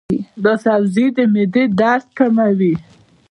دا سبزی د معدې درد کموي.